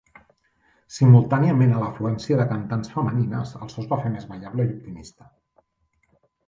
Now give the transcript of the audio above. Simultàniament a l'afluència de cantants femenines, el so es va fer més ballable i optimista.